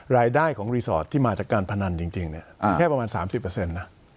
รายได้ของรีสอร์ทที่มาจากการพนันจริงเนี่ยมีแค่ประมาณ๓๐เปอร์เซ็นต์นะ